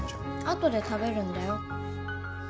あとで食べるんだよ。